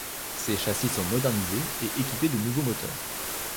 Ces châssis sont modernisés et équipés de nouveaux moteurs.